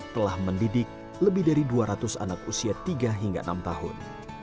telah mendidik lebih dari dua ratus anak usia tiga hingga enam tahun